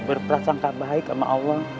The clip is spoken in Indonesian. berprasangka baik sama allah